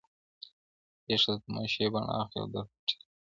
پېښه د تماشې بڼه اخلي او درد پټيږي,